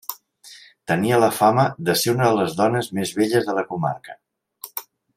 Tenia la fama de ser una de les dones més belles de la comarca.